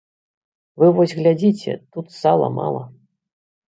Вы вось глядзіце, тут сала мала.